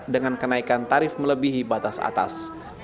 dengan kenaikan tarif melebihi batas atas